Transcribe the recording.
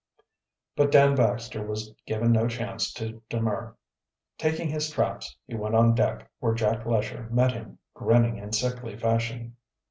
But Dan Baxter was given no chance to demur. Taking his traps he went on deck, where Jack Lesher met him, grinning in sickly fashion.